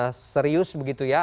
dan serius begitu ya